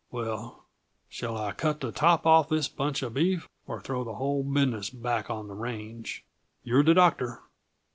Well, shall I cut the top off this bunch uh beef, or throw the whole business back on the range? You're the doctor."